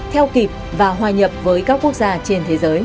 theo kịp và hòa nhập với các quốc gia trên thế giới